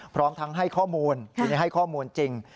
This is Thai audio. พร้อมทั้งให้ข้อมูลทีนี้ให้ข้อมูลจริง